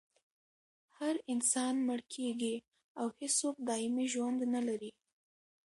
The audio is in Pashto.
هر انسان مړ کیږي او هېڅوک دایمي ژوند نلري